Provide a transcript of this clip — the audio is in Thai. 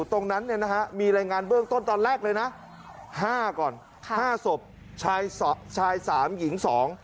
ตรงนั้นมีรายงานเป้ิ้งต้นตอนแรกเลยนะ๕ก่อน๕ศพชาย๓หญิง๒